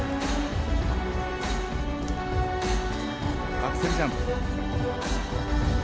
アクセルジャンプ。